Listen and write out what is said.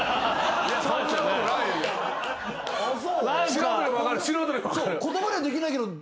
素人でも分かる？